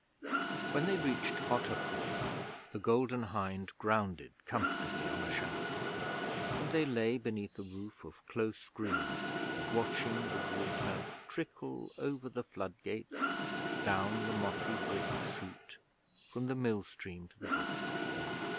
When they reached Otter Pool the Golden Hind grounded comfortably on a shallow, and they lay beneath a roof of close green, watching the water trickle over the flood gates down the mossy brick chute from the mill stream to the brook.